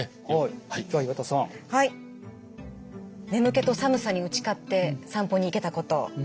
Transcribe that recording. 「眠気と寒さに打ち勝って散歩に行けたこと」。